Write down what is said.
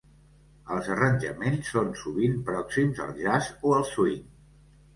Els arranjaments són sovint pròxims al jazz o el swing.